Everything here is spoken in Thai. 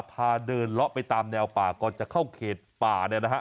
พาเดินเลาะไปตามแนวป่าก่อนจะเข้าเขตป่าเนี่ยนะฮะ